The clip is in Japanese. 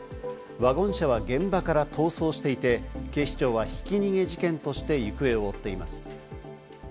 ワゴン車は現場から逃走していて、警視庁はひき逃げ事件として行方を追っています。